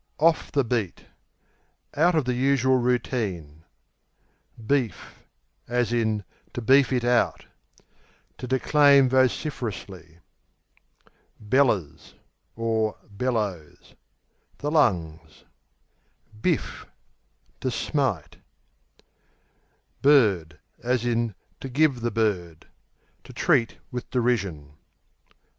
Beat, off the Out of the usual routine. Beef (to beef it out) To declaim vociferously. Bellers (Bellows) The lungs. Biff To smite. Bird, to give the To treat with derision.